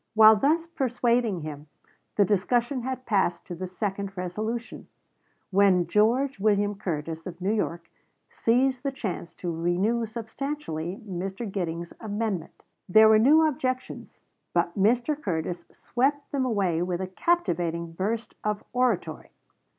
While thus persuading him, the discussion had passed to the second resolution, when George William Curtis, of New York, seized the chance to renew substantially Mr. Giddings's amendment. There were new objections, but Mr. Curtis swept them away with a captivating burst of oratory.